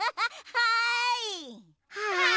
はい！